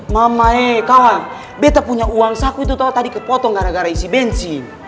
mama eh kawan betta punya uang saku itu tadi kepotong gara gara isi bensin